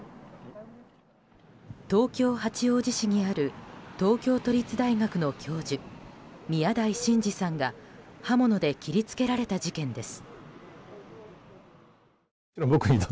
東京・八王子市にある東京都立大学の教授宮台真司さんが刃物で切り付けられた事件です。